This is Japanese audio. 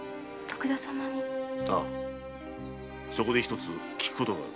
ああそこで一つ聞くことがある。